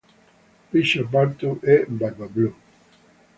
Richard Burton è Barbablù.